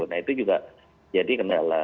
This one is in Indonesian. nah itu juga jadi kendala